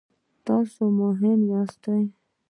تاسو مهم یاست